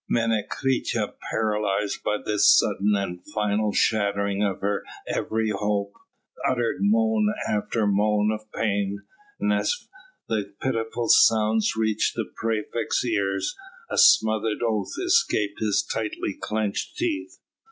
Menecreta, paralysed by this sudden and final shattering of her every hope, uttered moan after moan of pain, and as the pitiful sounds reached the praefect's ears, a smothered oath escaped his tightly clenched teeth.